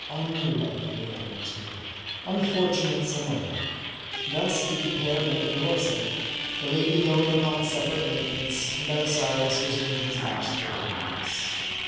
Unlovely Annatoo ! Unfortunate Samoa ! Thus did the pair make a divorce of it ; the lady going upon a separate maintenance, and Belisarius resuming his bachelor loneli ness.